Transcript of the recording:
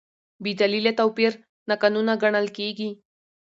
بېدلیله توپیر ناقانونه ګڼل کېږي.